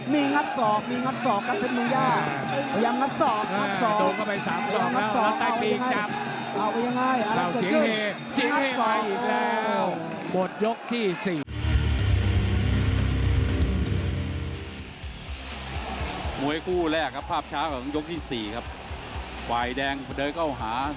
มีงั้นศอกกันเป็นมุญยา